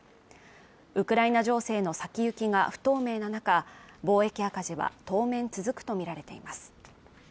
ウクライナ情勢の先行きが不透明な中貿易赤字は当面続くと見られています